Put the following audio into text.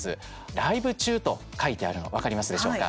ライブ中と書いてあるの分かりますでしょうか？